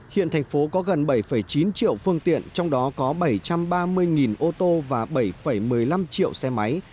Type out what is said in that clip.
hiện thành phố có gần bảy chín triệu phương tiện trong đó có bảy trăm ba mươi ô tô và bảy một mươi năm triệu xe máy